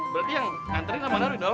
berarti yang nganterin abang darwin doang